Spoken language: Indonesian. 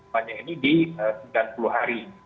banyak ini di sembilan puluh hari